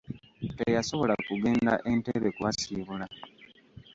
Teyasobola kugenda Entebbe kubasiibula.